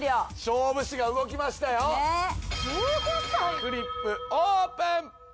フリップオープン。